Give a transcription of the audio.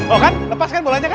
oh kan lepaskan bolanya kan